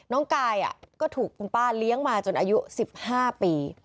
น้องกายก็ถูกคุณป้าเลี้ยงมาจนอายุ๑๕ปี